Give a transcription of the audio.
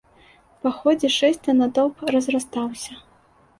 Па ходзе шэсця натоўп разрастаўся.